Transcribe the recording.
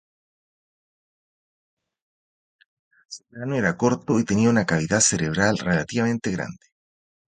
Su cráneo era corto y tenía una cavidad cerebral relativamente grande.